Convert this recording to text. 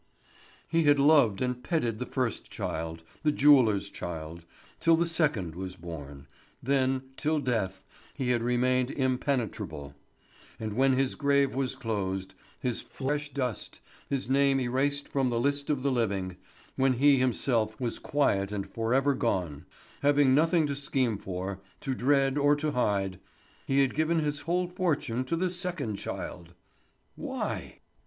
He had loved and petted the first child, the jeweller's child, till the second was born; then, till death, he had remained impenetrable; and when his grave was closed, his flesh dust, his name erased from the list of the living, when he himself was quiet and forever gone, having nothing to scheme for, to dread or to hide, he had given his whole fortune to the second child! Why?